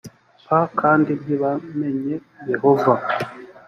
p kandi ntibamenye yehova